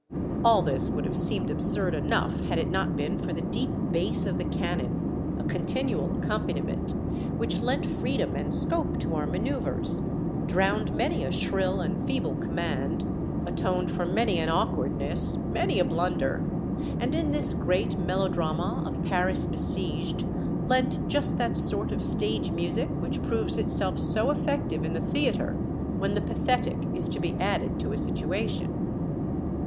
All this would have seemed absurd enough had it not been for the deep bass of the cannon, a continual accompaniment, which lent freedom and scope to our manoeuvres, drowned many a shrill and feeble command, atoned for many an awk wardness, many a blunder, and in this great melo drama of Paris Besieged lent just that sort of stage music which proves itself so effective in the theatre, when the pathetic is to be added to a situation.